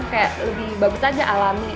kayak lebih bagus aja alami